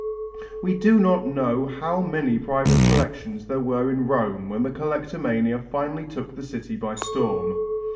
We do not know how many private collections there were in Rome when the collectomania finally took the city by storm.